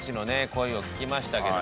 声を聞きましたけども。